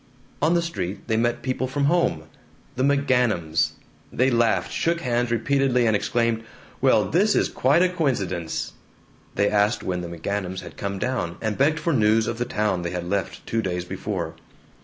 On the street they met people from home the McGanums. They laughed, shook hands repeatedly, and exclaimed, "Well, this is quite a coincidence!" They asked when the McGanums had come down, and begged for news of the town they had left two days before.